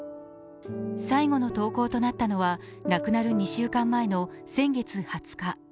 最後の投稿となったのは亡くなる２週間前の先月２０日。